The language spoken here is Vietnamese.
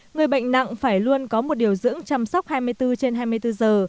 người bệnh nặng phải luôn có một điều dưỡng chăm sóc hai mươi bốn trên hai mươi bốn giờ